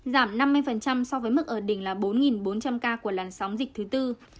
giảm năm mươi so với mức ở đỉnh là bốn bốn trăm linh ca của làn sóng dịch thứ tư